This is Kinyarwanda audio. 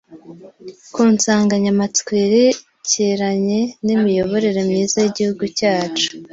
ku nsanganyamatsiko yerekeranye n’imiyoborere myiza y’Igihugu cyacu